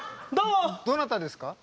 どなたですか？